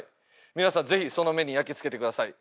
皆さんぜひその目に焼き付けてください。